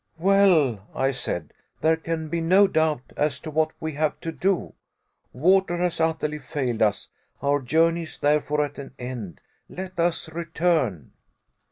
"Well," I said, "there can be no doubt now as to what we have to do. Water has utterly failed us; our journey is therefore at an end. Let us return."